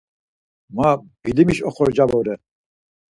Ma bilimiş oxorca vore.